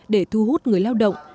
để thu hút người lao động